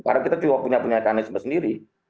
karena kita cuma punya kanisme sendiri